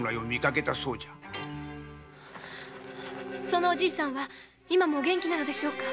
そのおじぃさんは今も元気なのでしょうか？